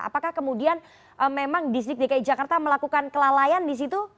apakah kemudian memang distrik dki jakarta melakukan kelalaian di situ